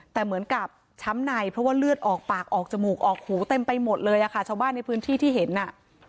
แต่เหมือนกับช้ำในเพราะว่าเลือดออกปากออกจมูกออกหูเต็มไปหมดเลยอะค่ะชาวบ้านในพื้นที่ที่เห็นอ่ะ